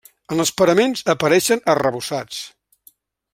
En els paraments apareixen arrebossats.